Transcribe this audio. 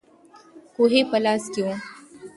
کوهی په لاس کې وو.